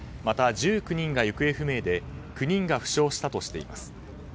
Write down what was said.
また、１９人が行方不明で９人が負傷したとしています。